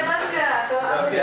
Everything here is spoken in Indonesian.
bupatinya hebat tidak